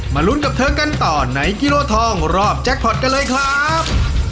ลุ้นกับเธอกันต่อในกิโลทองรอบแจ็คพอร์ตกันเลยครับ